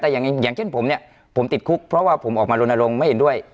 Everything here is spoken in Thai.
แต่อย่างเช่นผมเนี่ยผมติดคุกเพราะว่าผมออกมารณรงค์ไม่เห็นด้วย